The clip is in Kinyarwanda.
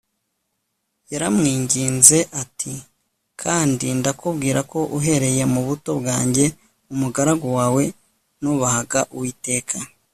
Yaramwinginze ati Kandi ndakubwira ko uhereye mu buto bwanjye umugaragu wawe nubahaga Uwiteka